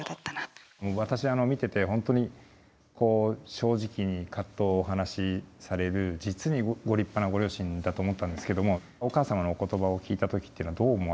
私見てて本当に正直に葛藤をお話しされる実にご立派なご両親だと思ったんですけどもお母様のお言葉を聞いた時っていうのはどう思われたんですか。